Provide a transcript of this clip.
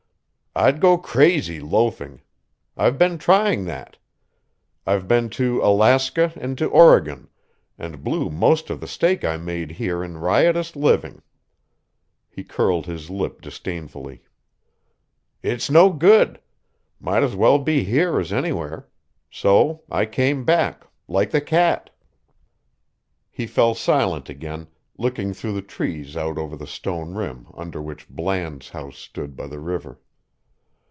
"I'd go crazy loafing. I've been trying that. I've been to Alaska and to Oregon, and blew most of the stake I made here in riotous living." He curled his lip disdainfully. "It's no good. Might as well be here as anywhere. So I came back like the cat." He fell silent again, looking through the trees out over the stone rim under which Bland's house stood by the river.